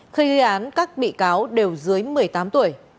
khi gây án các bị cáo đều dưới một mươi tám tuổi